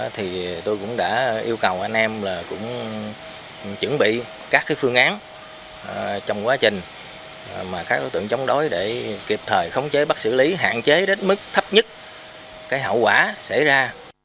thì tôi cũng đã yêu cầu anh em là cũng chuẩn bị các phương án trong quá trình mà các đối tượng chống đối để kịp thời khống chế bắt xử lý hạn chế đến mức thấp nhất cái hậu quả xảy ra